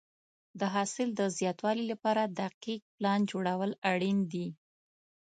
د حاصل د زیاتوالي لپاره دقیق پلان جوړول اړین دي.